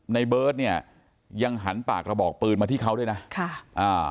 ในเบิร์ตเนี่ยยังหันปากกระบอกปืนมาที่เขาด้วยนะค่ะอ่า